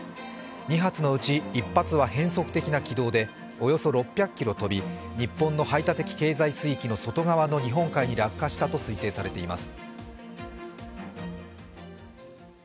２発のうち１発は変則的な軌道でおよそ６００ｋｍ飛び日本の排他的経済水域の外側の日本海に落下したと推定されています。